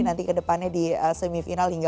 nanti kedepannya di semifinal hingga